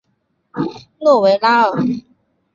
诺维拉尔。